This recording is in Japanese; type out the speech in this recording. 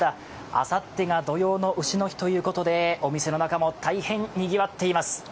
あさってが土用の丑の日ということでお店の中も大変にぎわっています。